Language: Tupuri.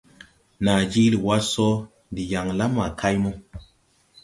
Naa jiili wá sɔ ndi yaŋ la ma kay mo.